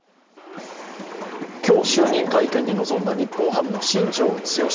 今日、就任会見に臨んだ日本ハム・新庄剛志